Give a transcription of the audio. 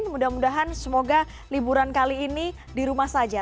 mudah mudahan semoga liburan kali ini di rumah saja